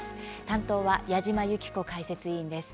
担当は矢島ゆき子解説委員です。